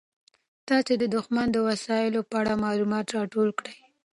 تاسو د دښمن د وسلو په اړه معلومات راټول کړئ.